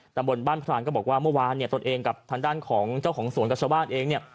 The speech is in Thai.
ตำบลบ้านพรานก็บอกว่าเมื่อวานเนี่ยตนเองกับทางด้านของเจ้าของสวนกับชาวบ้านเองเนี่ย